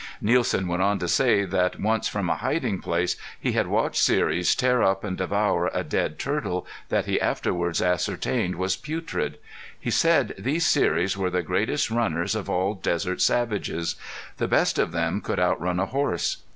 Nielsen went on to say that once from a hiding place he had watched Seris tear up and devour a dead turtle that he afterward ascertained was putrid. He said these Seris were the greatest runners of all desert savages. The best of them could outrun a horse.